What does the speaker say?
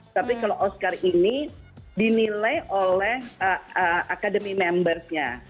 tapi kalau oscar ini dinilai oleh akademi membernya